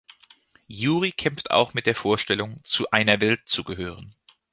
Yuri kämpft auch mit der Vorstellung, zu einer Welt zu gehören.